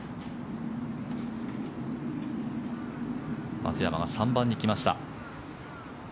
松山が３番に来ました。